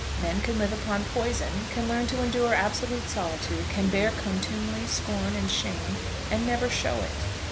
Men can live upon poison, can learn to endure absolute solitude, can bear contumely, scorn, and shame, and never show it.